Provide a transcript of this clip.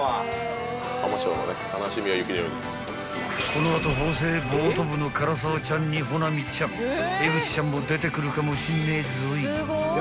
［この後法政ボート部の唐沢ちゃんに保奈美ちゃん江口ちゃんも出てくるかもしんねえぞい］